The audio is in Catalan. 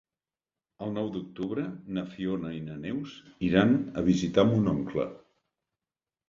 El nou d'octubre na Fiona i na Neus iran a visitar mon oncle.